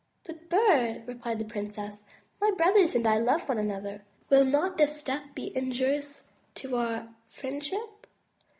'*But, Bird,'' replied the princess, my brothers and I love one another. Will not this step be injurious to our friendship?"